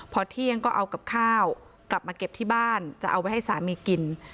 พอเที่ยงก็เอากับข้าวกลับมาเก็บที่บ้านจะเอาไว้ให้สามีกิน